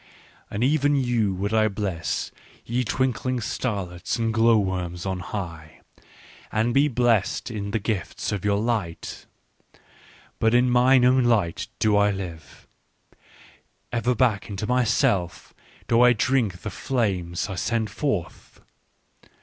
" And even you would I bless, ye twinkling star lets and glow worms on high ! and be blessed in the gifts of your light. " But in mine own light do I live, ever back into myself do I drink the flames I send forth.